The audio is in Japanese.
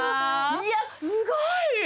いや、すごい！